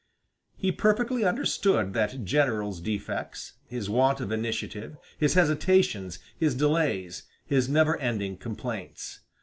He perfectly understood that general's defects, his want of initiative, his hesitations, his delays, his never ending complaints.